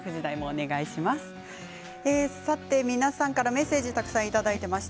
皆さんからメッセージたくさんいただいています。